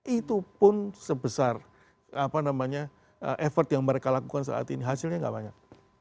itu pun sebesar effort yang mereka lakukan saat ini hasilnya nggak banyak